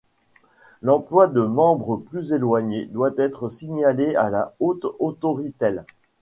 L'emploi de membres plus éloignés doit être signalé à la Haute Autoritél.